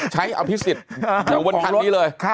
ใช้อธิสิตฯอยู่บนคันนี้เลย